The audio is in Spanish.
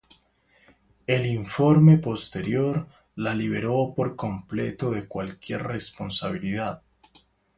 El informe posterior la liberó por completo de cualquier responsabilidad.